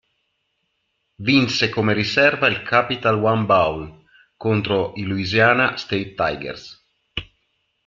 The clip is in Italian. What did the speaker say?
Vinse come riserva il Capital One Bowl contro i Louisiana State Tigers.